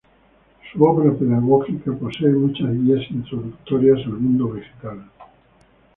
Su obra pedagógica posee muchas guías introductorias al mundo vegetal.